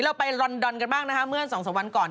เราไปลอนดอนกันบ้างนะคะเมื่อ๒๓วันก่อน